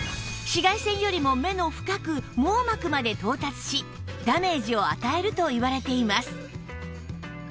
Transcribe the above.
紫外線よりも目の深く網膜まで到達しダメージを与えるといわれています